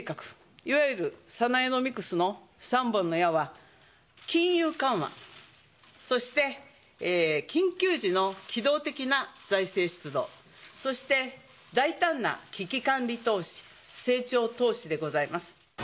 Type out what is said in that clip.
いわゆるサナエノミクスの３本の矢は、金融緩和、そして緊急時の機動的な財政出動、そして大胆な危機管理投資、成長投資でございます。